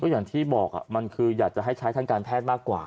อย่างที่บอกมันคืออยากจะให้ใช้ทางการแพทย์มากกว่า